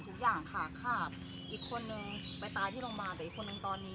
ทุกอย่างขาขาดอีกคนนึงไปตายที่โรงพยาบาลแต่อีกคนนึงตอนนี้